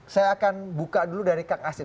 saya akan buka dulu dari kang asep